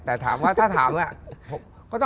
แต่ถามว่าถ้าถามว่า